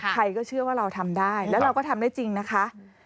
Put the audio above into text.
ใครก็เชื่อว่าเราทำได้แล้วเราก็ทำได้จริงนะคะ